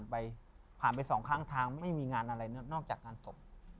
ใช่ผมผ่านไป๒ครั้งทางไม่มีงานอะไรนอกจากการศพ